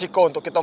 saya tidak kagum